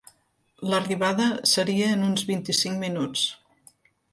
L'arribada seria en uns vint-i-cinc minuts.